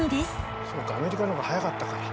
そうかアメリカのほうが早かったから。